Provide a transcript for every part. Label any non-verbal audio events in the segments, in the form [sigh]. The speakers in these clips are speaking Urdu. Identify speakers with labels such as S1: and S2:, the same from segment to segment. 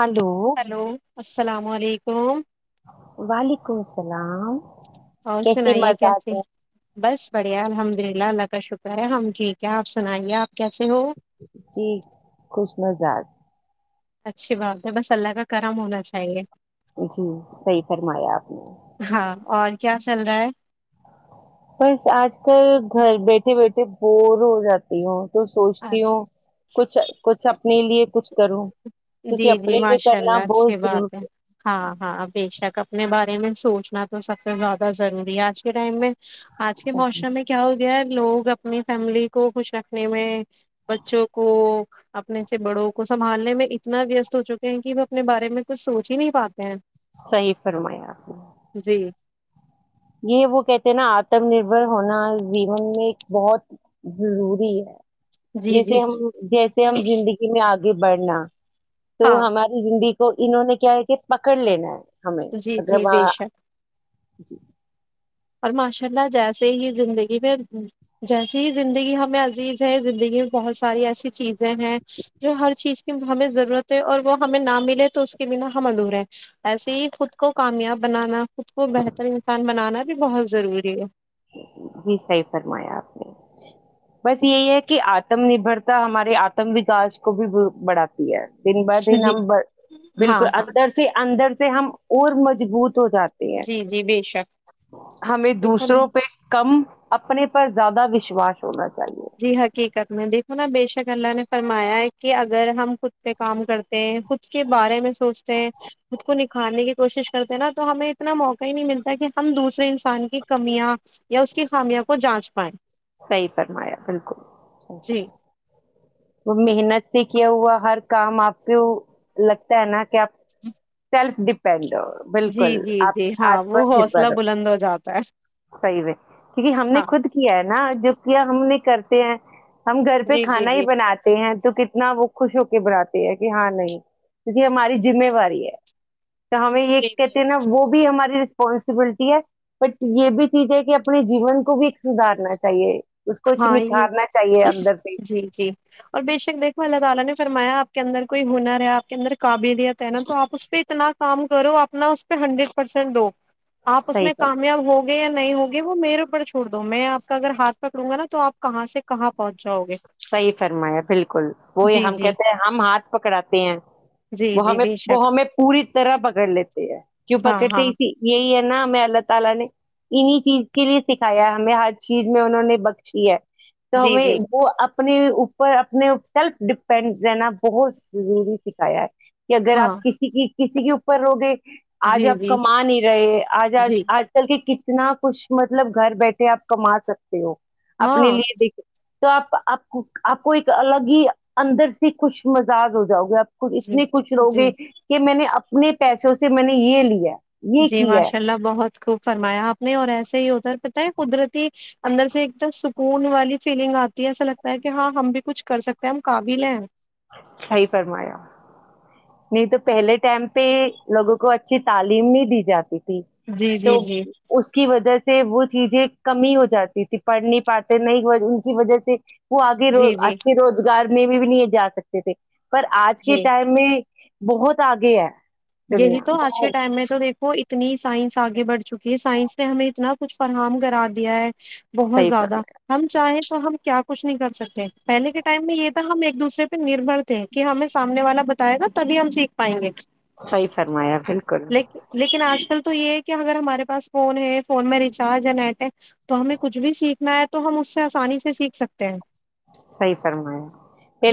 S1: ہلو
S2: ہیلو السلام علیکم
S1: ولیکم السلام
S2: اور
S1: کیسے
S2: سنائیے
S1: مزاج
S2: کیسے
S1: ہے
S2: بس بڑھیا ہم جب اللہ اللہ کا شکر ہے ہم ٹھیک ہے آپ سنائیے آپ کیسے ہو
S1: جی خوش مزج
S2: اچھی بات ہے بس اللہ کا کرم ہونا چاہیے
S1: جی صحیح فرمایا آپ نے
S2: ہاں اور کیا چل رہا ہے
S1: بس آج کل گھر بیٹھے بیٹھے بور ہو جاتی ہوں تو سوچتی
S2: آج
S1: ہوں کچھ کچھ اپنے لیے کچھ کروں کیونکہ
S2: جی جی
S1: اپنے لیے
S2: ماشاء
S1: کرنا
S2: اللہ
S1: بہت
S2: اچھی بات ہے
S1: ضروری
S2: ہاں ہاں بے شک اپنے بارے میں سوچنا تو سب سے زیادہ ضروری ہے آج کے ٹائم میں آج کے
S1: ہے.
S2: موسم میں کیا ہو لوگ اپنی فیملی کو خوش رکھنے میں بچوں کو اپنے سے بڑوں کو سنبھالنے میں اتنا ویست ہو چکے ہیں کہ وہ اپنے بارے میں کچھ سوچ ہی نہیں پاتے ہیں
S1: صحیح فرمایا آپ نے
S2: جی
S1: یہ وہ کہتے ہیں نا آتم نربھر ہونا جیون میں بہت ضروری ہے
S2: جی جی
S1: جیسے ہم جیسے ہم زندگی میں آگ گب بڑنا تو
S2: ہاں
S1: ہماری زندگی تو انہوں نے کیا ہے کہ پکڑ لینا ہے ہمیں
S2: جی جی
S1: اگرربہ
S2: بے شک
S1: جی
S2: اور ماشاء اللہ جیسے ہی زندگی میں جیسے ہی زندگی ہمیں عزیز ہے زندگی میں بہت ساری ایسی چیزیں ہیں جو ہر چیز کی ہمیں ضرورت ہے اور وہ ہمیں نہ ملے تو اس کے بنا ہم ادھورے ایسے ہی خود کو کامیاب بنانا خود کو بہتر انسان بنانا بھی بہت ضروری ہے
S1: جی صحیح فرمایا آپ نے بس یہی ہے کہ آتم نربرتا ہمارے آتم وکاس کو بھی بڑھاتی ہے دن ب دن
S2: جی
S1: ہم
S2: ہاں
S1: بالکل
S2: ہاں
S1: اندر سے اندر سے ہم اور م [unintelligible] ہو جاتی ہے
S2: جی جی بے شک
S1: ہمیں
S2: ایک ہم
S1: دوسروں کم اپنے پر زیادہ وشواس ہونا چاہیے
S2: جی حقیقت میں دیکھو نا بے شک اللہ نے فرمایا ہے کہ اگر ہم خود پہ کام کرتے ہیں خود کے بارے میں سوچتے ہیں خود کو نکھارنے کے کوشش کرتے ہیں نا تو ہمیں اتنا موقع ہی نہیں ملتا کہ ہم دوسرے انسان کی کمیاں یا اس کی خامیا کو جانچ پائیں
S1: صحیح فرمایا بالکل
S2: جی
S1: وہ محنت سے کیا ہوا ہر کام آپ کو لگتا ہے نا کہ آپ
S2: [inaudible]
S1: [inaudible]
S2: جی
S1: بالکل
S2: جی
S1: آپ
S2: جی ہاں
S1: آتم
S2: وہ حوصلہ
S1: نربر
S2: بلند ہو جاتا ہے
S1: صحیح ہے کیونکہ ہم نے
S2: ہاں
S1: خود کیا ہے نا جو کیا ہم نہیں کرتے ہیں ہم گھر پہ
S2: جی جی
S1: کھانا ہی
S2: جی
S1: بناتے ہیں تو کتنا وہ خوش ہو کے بناتی ہے کہ ہاں نہیں کیونکہ ہماری ذمہواری ہے تو ہمیں یہ
S2: جی جی
S1: کہتے ہیں نا وہ بھی ہماری پانسبلٹی ہے بٹ یہ بھی چیز ہے کہ اپنے جیون کو بھی ایک سدارنا چاہیے چاہیے اس کو ایک نکھارنا اندر سے
S2: جی جی اور بے شک دیکھو اللہ تعالی نے فرمایا کے اندر کوئی ہنر ہے آپ کے اندر قابلیت نا توآپ اس پہ اتنا کام کرو اپنا اس پہ ہنڈریڈ پرسینٹ دو آپ اس
S1: صحیح
S2: میں
S1: ہے
S2: کامیاب ہوگ یا نہیں ہوگے وہ میرے اوپر چھوڑ دو میں آپ اگر ہاتھ پکڑوں گا توپ کہاں سے کہاں پہنچ جاؤ گے
S1: صحیح فرمایا بالکل وہ
S2: جی
S1: ہم
S2: جی
S1: کہتے ہیں ہم ہاتھ پکڑاتے ہیں
S2: جی
S1: وہ
S2: جی
S1: ہمیں
S2: بے شک
S1: وہ ہمیں پوری طرح پکڑ لیتے ہیں کیوں
S2: ہاں
S1: پکڑتے
S2: ہاں
S1: اسی یہی ہے ہمیں اللہ تعالی نے انہیں چیز کے لیے سکھایا ہے ہمیں ہر چیز میں انہوں نے بخشی ہے تو
S2: جی
S1: ہمیں
S2: جی
S1: وہ آپ اپنے اوپر اپنے سیلف ڈیپینڈ رہنا بہت ضروری سکھایا ہے کہ اگر
S2: ہاں
S1: آپ کسی کی کسی کے اوپر ہوو گے آج
S2: جی
S1: آپ
S2: جی
S1: کما نہیں رہے آج آج
S2: جی
S1: آج کل کے کتنے اتنا کچھ مطلب گھر بیٹھے آپ کما سکتے ہو اپنے
S2: ہاں
S1: لیے دکھیں توآپ [inaudible] اپ کو ایک الگ ہی اندر سے کچھ مذاق ہو جاؤ گے [inaudible] اور
S2: جی
S1: اتنی خوش رہو
S2: جی
S1: گے کہ میں نے [unintelligible] اپنے پیسوں سے میں نے یہ لیا ہے [inaudible]
S2: جی
S1: کیا
S2: ماشاءاللہ بہت [unintelligible] خوب فرمایا اپ نے اور ایسے ہی ادھر پتہ ہے قدرتی اندر سے ایک تو سکون والی فیلنگ اتی ہے ایسا لگتا ہے کہ ہاں ہم بھی کچھ کر سکتے ہیں ہم قابل ہیں
S1: صحیح فرمایا نہیں تو پہلے ٹائم پہ لوگوں کو اچھی تعلیم نہیں دی جاتی
S2: جی
S1: تو
S2: جی جی
S1: اس کی وجہ وہ چیزیں کمی ہو جاتی تھی پڑھ نہیں پاتے نہیں ان کی وجہ سے [inaudible]
S2: جی جی
S1: [unintelligible] [unintelligible]
S2: جی
S1: [unintelligible] [unintelligible] صحیح
S2: [unintelligible]
S1: فرمایا
S2: [unintelligible] [unintelligible] [unintelligible] لیکن لیکن
S1: [unintelligible]
S2: [unintelligible]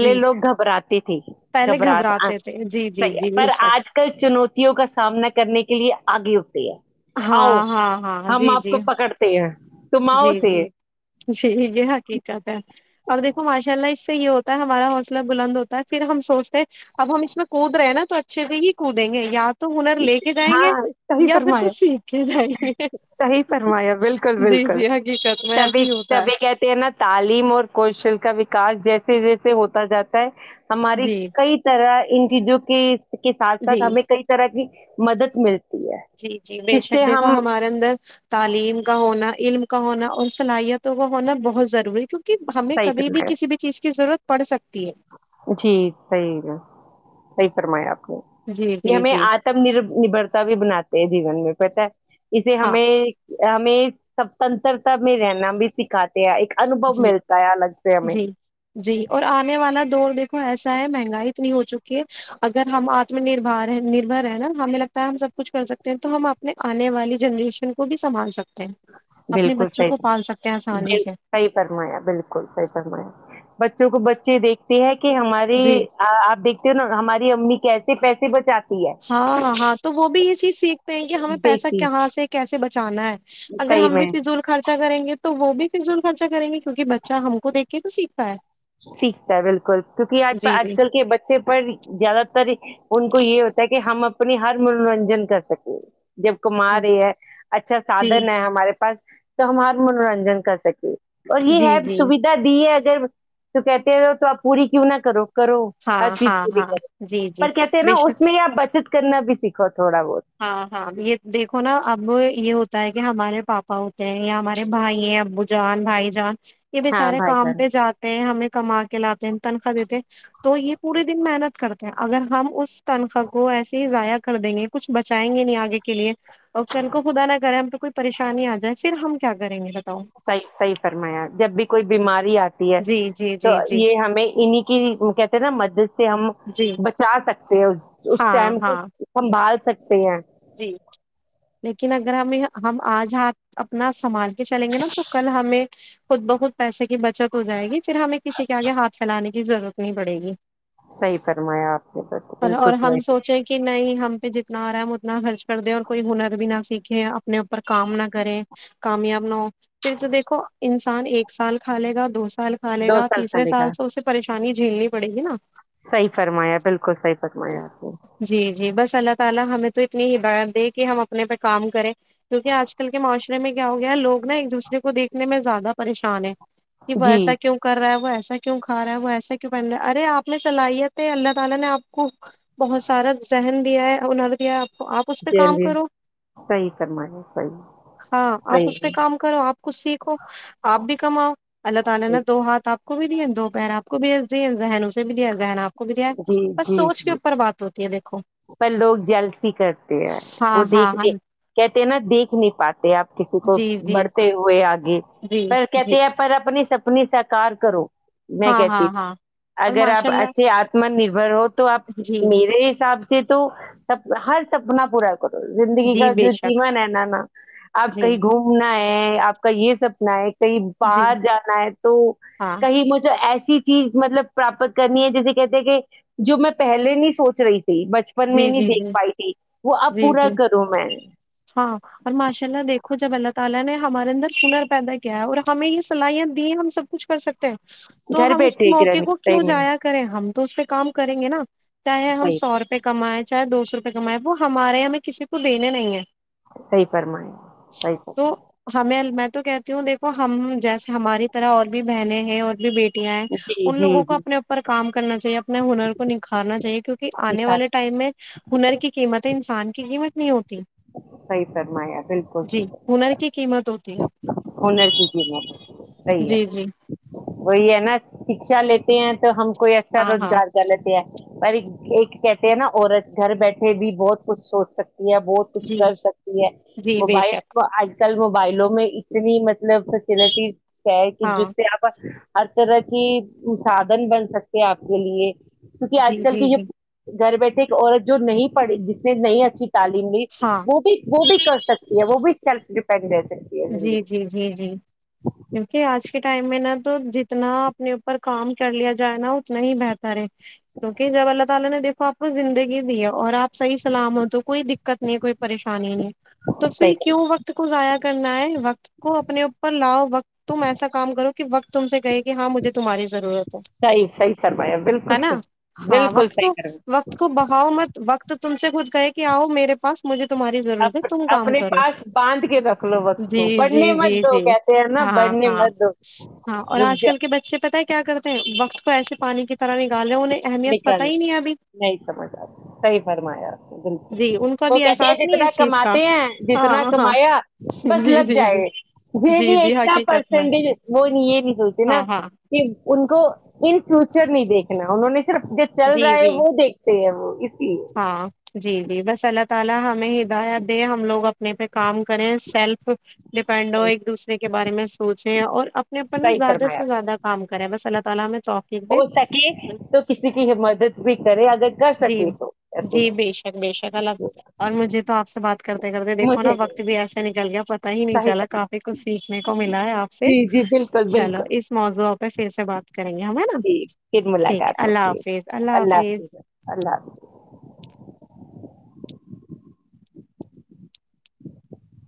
S2: جی پہلے گھبراتے تھے جی جی جی بے شک
S1: [unintelligible] آؤ ہم آپ کو پکڑتے ہیں تم آؤ سے
S2: [unintelligible] [unintelligible] گے یا پھر کچھ سیکھ
S1: [unintelligible]
S2: کے جائیں گے
S1: [unintelligible]
S2: جی جی حقیقت میں ایسے ہی ہوتا
S1: [unintelligible] [unintelligible] [unintelligible]
S2: ہے جی
S1: [unintelligible]
S2: جی
S1: [unintelligible]
S2: [unintelligible] [unintelligible] [unintelligible]
S1: [unintelligible]
S2: پڑ
S1: جس سے ہم صحیح فرمایا
S2: سکتے [unintelligible]
S1: جی صحیح ہے صی [unintelligible] فرمایے آپ
S2: جی
S1: یہ
S2: جی
S1: ہمیں
S2: جی
S1: آتم نر نبرتا بھی بناتے ہیں جیون میں پتا ہے اسے
S2: ہاں
S1: ہمیں ہمیں سوتنترتا میں رہنا بھی سکھاتا ایک انوبو
S2: جی
S1: ملتا ہے الگ سے ہمیں
S2: دڑ دیکھو ایسا ہے مہنگائی اتنی ہو چکی ہے اگر ہم آتم نربار ہے نربھر ہے نا ہمیں لگتا ہے ہم سب کچھ کر سکتے ہیں تو ہم اپنے آنے والی جنریشن کو بھی سنبھال سکتے اپنے
S1: بالکل
S2: بچوں کو
S1: صحیح
S2: پال سکتے ہیں آسانی
S1: بال
S2: سے
S1: صحیح فرمایا بالکل صحیح فرمایا بچوں کو بچے دیکھتے ہیں کہ ہماری
S2: جی
S1: آپ دیکھتی ہونا ہماری امی کیسے پیسے بچاتی ہے
S2: ہاں ہاں ہاں تو وہ بھی یہ چیز سیکھتے ہیں کہ ہمیں پیسہ
S1: دیکھتی
S2: کہاں سے کیسے بچانا چانا ہے اگر
S1: صحیح
S2: ہم بھی
S1: میں
S2: فضول خرچہ کریں گے تو تو وہ بھی فضول خرچہ کریں گے کیونکہ بچہ ہم کو دیکھ کے تو سیکھ ہاں
S1: ٹھیک کہا بالکل کیونکہ آج آج
S2: جی
S1: کل کے بچے پر زیادہ تر ان کو یہ ہوتا ہے کہ ہم اپنی ہر منورنجن کر سکیں جب کما
S2: جی
S1: رہی ہے اچھا
S2: جی
S1: سادھن ہے ہمارے پاس تو ہمارا منورنجن کر سکے اور یہ
S2: جی
S1: ہے
S2: جی
S1: سویدھا دی ہے ادھر تو کہتے ہے تو آپ پوری کیوں نہ کرو کرو ہر
S2: ہاں
S1: چیز
S2: ہاں
S1: خود ہی
S2: ہاں
S1: کرو
S2: جی جی
S1: پر کہتے ہیں
S2: بے
S1: نا
S2: شک
S1: اس میں آپ بچت کرنا بھی سیکھو تھوڑا بہت
S2: ہاں ہاں یہ دیکھو نا اب یہ ہو ہوتا ہے کہ ہمارے پاپا ہوتے ہیں یا ہمارے بھائی ہیں ابو جان بھائی جان یہ
S1: ہاں
S2: بےچارے
S1: بھائی
S2: کام
S1: جان
S2: پہ جاتے ہیں ہمیں کما کے لاتے ہیں تنخواہ دیتے ہیں تو یہ پورے دن محنت کرتے ہیں اگر ہم اس تنخواہ کو ایسے ہی ضائع کر دیں گے کچھ بچائیں گے نہیں آگے کے لیے اور کل کو خدا نہ کرے ہم کو کوئی پریشانی آ جائے پھر ہم کیا کریں گے تب
S1: صحیح صحیح فرمایا جب بھی کوئی بیماری آتی ہے
S2: جی جی
S1: تو
S2: جی جی
S1: یہ ہمیں انہیں کی کہتے ہیں نا مدد سے ہم
S2: جی
S1: بچا سکتے ہیں اس اس
S2: ہاں
S1: ٹائم پہ
S2: ہاں
S1: ہم پال سکتے ہیں
S2: جی لیکن اگر ہم ہم آج ہاتھ اپنا سنبھال کے چلیں گے نا تو کل ہمیں خود بخود پیسے کی بچت ہو جائے گی پھر ہمیں کسی کے آگے ہاتھ پھیلانے ضرورت نہیں پڑے گی
S1: صحیح فرمایا آپ نے
S2: اور
S1: بالکل
S2: اور ہم
S1: بالکل
S2: سوچیں کہ نہیں ہم جتنا آرہا ہے خرچ کر دے اور کوئی ہنر بھی نہ سیکھے اپنے اپر کام نہ کرے کامیاب نہ ہو پھر جو دیکھو انسان ایک سال کھا لے گا دو سال کھالے
S1: دو
S2: گا تیسرے
S1: چلے
S2: سال سے اسے پریشانی شانی جھیلنی پڑے گی نا
S1: صحی فرمایا بالکل صحی فرمایا آپ نے
S2: جی جی بس اللہ تعالی ہمیں تو اتنی ہدایت دے کہ ہم اپنے پہ کام کریں کیونکہ آج کل کے معاشم میں کیا ہو گیا ہے لوگ نا ایک دوسرے کویکھنے میں زیادہ پریشان ہیں کہ وہ
S1: جی
S2: ایسا کیوں کر رہا ہے وہ ایسا کیوں کھ رہا ہے وہ ایسا کیوں پہن رہا ہے ارے آپ نے صلاحیت ہے اللہ تعالی نے آپ کو بہت سارا ذہن دیا ہے ہنر دیا آپ اس پہ
S1: جی
S2: کام
S1: جی
S2: کرو
S1: صحیح فرمایا صحیح
S2: ہاں آپ اس پہ
S1: صحیح
S2: کام کرو آپ کچھ سیکھو آپ بھی کماؤ اللہ تعالی
S1: صحیح
S2: نے دو ہاتھ آپ کو بھی د دوپہر آپ کو بھی د ذن بھی دیا ذنا آپ کو بھی دیا ہے
S1: جی
S2: بس
S1: جی
S2: سوچ کے
S1: جی
S2: اوپر بات ہوتی ہے دیکھو
S1: پر لوگ جل کرتے ہیں وہ
S2: ہاں ہاں ہاں
S1: دیکھتے کہتے ہیں نا دیکھ نہیں پاتے آپ کسی کو
S2: جی جی
S1: بڑھتے ہوئے آگے
S2: جی
S1: پر
S2: جی
S1: کہتے ہیں پر اپنی سب اپنی سکار کرو میں
S2: ہاں
S1: کہتی
S2: ہاں
S1: ہ
S2: ہاں اور
S1: اگر آپ
S2: ماشاء اللہ
S1: اچھے آتم نربر ہو تو آپ
S2: جی
S1: میرے حساب تو ہر سپنا پورا زندگی
S2: جی
S1: کا
S2: بے
S1: جو
S2: شک
S1: جیمن ہے نا نا آپ
S2: جی
S1: کہیں گھومنا ہے آپ کا یہ سپنا ہے کہیں
S2: جی
S1: باہر جانا ہے تو
S2: ہاں
S1: کہیں مجھے ایس چیز مطلب پراپت کرنی ہے جیسے کہتے کہ جو میں پہلے نہیں سوچ رہی تھی بچپن میں
S2: جی
S1: نہیں
S2: جی
S1: دیکھ
S2: جی
S1: پائی تھی وہ اب
S2: جی
S1: پورا
S2: جی
S1: کروں میں
S2: ہاں اور ماشاء اللہ دیکھو جب اللہ تعالی نے ہمارے اندر سنر پیدا کیا ہے اور ہمیں یہ س صلاحیت دی ہم سب کچھ کر سکتے تو
S1: گھر
S2: ہم اس
S1: بیٹھے ایک
S2: موقع
S1: رہنے
S2: کو
S1: صحیح
S2: کیوں
S1: میں
S2: جایا کریں ہم تو اس پہ کام کریں گے نا چاہے ہم
S1: صحیح
S2: سو روپے کمائے چاہے دو سو روپئے کمائے وہ ہمارے یہاںیں کسی کو دینے نہیں ہیں
S1: صحی فرمائ صحی فم
S2: تو ہمیں میں تو کہتی ہوں دیکھو ہم جیسے ہماری طرح اور بھی بہنیں ہیں اور بھی بیٹاں
S1: جی
S2: ان
S1: جی
S2: لوگوں کو
S1: جی
S2: اپنے اوپر کام کرنا چاہیے اپنے ہنر کو نکھارنا چاہیے کیونکہ
S1: جی،
S2: آنے والے ٹائم میں ہنر کی قیمتیں انسان کی قیمت نہیں ہوتی
S1: صحیح فرمایا بالکل
S2: جی ہنر کی قیمت ہوتی ہے
S1: ہنر کی قیمت صحیح ہے
S2: جی جی
S1: وہی ہے نا شکشا لی تی ہیں تو ہم کوئی اچھا
S2: ہاں ہاں
S1: روزگار کر لیتے ہے پر ایک کہتے ہیں نا عورت گھر بیٹھے بھی بہت کچھ سوچ سکتی ہے کچھ
S2: جی
S1: کر سکتی ہے
S2: جی بے
S1: موبائل
S2: شک
S1: کو آج کل موبائلوں میں اتنی مطلب فیسلٹیز پیر کی جس
S2: ہاں
S1: سے آپ ہر طرح کی سادھن بن سکتے آپ کے لیے کیونکہ آج
S2: جی
S1: کل
S2: جی
S1: کی
S2: جی
S1: جو گھر بیٹھے ایک عورت جو نہیں پڑھی جس نے نہیںئی اچھی تعلیم
S2: ہاں
S1: وہ بھی وہ بھی کر سکتی ہے وہ بھی سیلف ڈیپینڈنٹ
S2: جی جی جی جی کیونکہ آج کے ٹائم میں نا تو جتنا اپنے اوپر کام کر لیا جائے نا اتنا ہی بہتر ہے کیونکہ جب اللہ تعالہ نے دیکھو آپ کو زندگی دی ہے اور آپ صحیح اسلام میں تو کوئی دقت نہیں ہے کوئی پریشانی نہیں تو پھر
S1: صحیح
S2: کیوں وقت کو ضائع کرنا ہے وقت کو اپنے اوپر لاؤ وقت تم ایسا کام کرو کہ وقت تم سے کہے کہ ہاں مجھے تمہاری ضرورت ہے
S1: صحیح صحیح فرمایا بالکل
S2: ہے نا
S1: صحیح
S2: ہاں
S1: بالکل
S2: وقت
S1: صحیح
S2: کو
S1: فرمایا
S2: وقت کو بہاؤ مت وقت تو تم سے خود کہئے کہ آؤ میرے پس مجھے تمہاری ضرورت ہے تم کام
S1: اپنے
S2: کرو
S1: پاس باند کے رکھ لو وقت
S2: جی
S1: کو
S2: جی
S1: بڑھنے
S2: جی
S1: مت دو
S2: جی
S1: کہتے ہیں نا
S2: ہاں
S1: بڑھنے
S2: ہاں
S1: مت دو
S2: ہاں اور
S1: رک
S2: آج
S1: جا
S2: کل کے بچے پتا ہے کیا کرتے ہیں وقت کو ایسے پانی کی طرح نکال رہے ہیں انہیں اہمیت پتہ
S1: نکل
S2: ہی نہیں ہے ابھی
S1: نہیں سمجھ آتا صحیح فرمایا آپ نے
S2: جی ان کو
S1: بالکل وہ
S2: بھی
S1: کہتے
S2: احساس
S1: ہیں
S2: نہیں ہے
S1: جتنا
S2: اس چیز کا
S1: کماتے ہیں جتنا
S2: ہاں ہاں
S1: کمایا بس
S2: جی
S1: لگ
S2: جی جی
S1: جائے یہ
S2: جی
S1: نہیں
S2: جی
S1: کتنا
S2: حقیقت میں
S1: پرسینٹیج وہ یہ نہیں سوچتے نا
S2: ہاں ہاں
S1: کہ ان کو ان فیوچر نہیں دیکھنا انہوں نے صرف جو چل
S2: جی
S1: رہا ہے
S2: جی
S1: وہ دیکھتے ہیں وہ اسی لیے
S2: ہاں جی جی بس اللہ تعالی ہمیں ہدایت دیں ہم لوگ اپنے پہ کام کریں سیلف ڈپینڈ ہو
S1: صحیح
S2: ایک دوسرے کے بارے میں سوچیں اور اپنے اوپر نا
S1: صحیح
S2: زیادہ
S1: فرمایا
S2: سے زیادہ کام کریں بس اللہ تام [unintelligible]
S1: ہو سکے تو کسی کی ہم مدد بھی کرے اگر کر
S2: جی
S1: سکے تو ایسے
S2: جی بے شک بے شک الگ اور مجھے تو آپ سے بات کرتے کرتے دیکھو نا وقت بھی ایسے نکل گیا پتتا ہی نہیں
S1: صحیح
S2: چلا
S1: صحیح
S2: کافی کچھ سیکھنے کو ملا ہے آپ سے
S1: جی جی بالکل
S2: چلو
S1: بالکل
S2: اس موضوع پہ پھر سے بات کریں گے ہم ہے نا
S1: جی پھر
S2: ٹھیک ہے
S1: ملاقات
S2: اللہ
S1: ہوگی
S2: حافظ اللہ حافظ